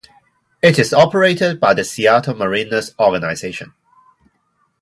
It is operated by the Seattle Mariners organization.